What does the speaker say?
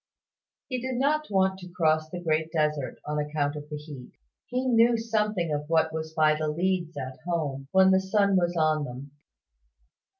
He did not want to cross the Great Desert, on account of the heat. He knew something of what that was by the leads at home, when the sun was on them.